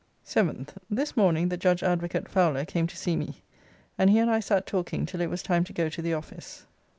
7th. This morning the judge Advocate Fowler came to see me, and he and I sat talking till it was time to go to the office.